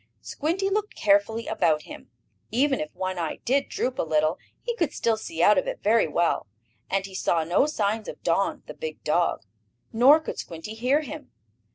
Squinty looked carefully about him. Even if one eye did droop a little, he could still see out of it very well, and he saw no signs of Don, the big dog. Nor could Squinty hear him.